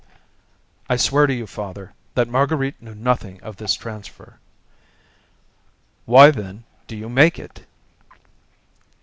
"I swear to you, father, that Marguerite knew nothing of this transfer." "Why, then, do you make it?"